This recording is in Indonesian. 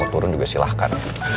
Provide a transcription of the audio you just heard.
lo mau turun juga silahkan